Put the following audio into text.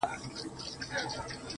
زما له زړه یې جوړه کړې خېلخانه ده.